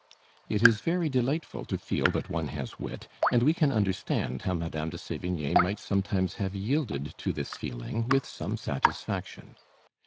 It is very delightful to feel that one has wit, and we can understand how Madame de Sévigné might sometimes have yielded to this feeling with some satisfaction.